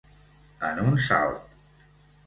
En un salt.